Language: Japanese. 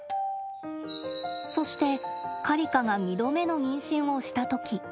そしてカリカが２度目の妊娠をした時。